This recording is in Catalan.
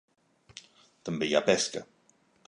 També hi ha pesca.